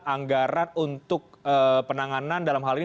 anggaran untuk penanganan dalam hal ini